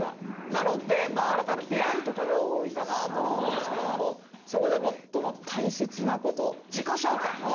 なので新たな出会いとかが多いかなと思うんですけどもそこで最も大切なこと自己紹介。